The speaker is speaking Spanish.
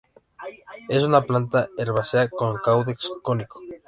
Es una planta herbácea con caudex cónico.